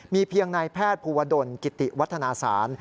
มีเพียงนายแพทย์ภูวดลกิติวัฒนาศาล